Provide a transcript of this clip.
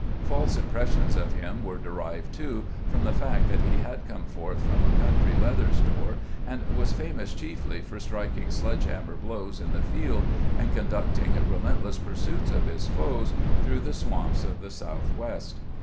False impressions of Mm were derived, too, from the fact that he had come forth from a couiitry leather store, and was famous chiefly for striking sledge hammer blows in the field, and conduct ing relentless pursuits of his foes through the swamps of the Southwest.